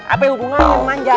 apa hubungannya manjat